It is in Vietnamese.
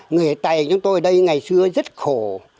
người tày chúng tôi ở đây ngày xưa rất khổ